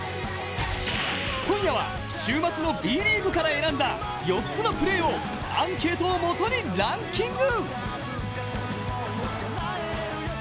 今夜は週末のＢリーグから選んだ４つのプレーをアンケートをもとにランキング。